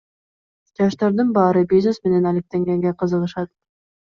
Жаштардын баары бизнес менен алектенгенге кызыгышат.